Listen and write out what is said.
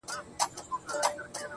چي نور ساده راته هر څه ووايه.